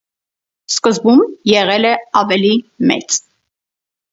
Սկզբում եղել է ավելի մեծ։